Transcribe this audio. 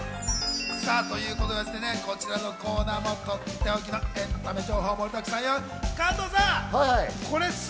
こちらのコーナーもとっておきのエンタメ情報、盛りだくさんです。